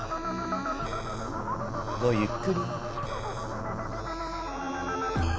ごゆっくり。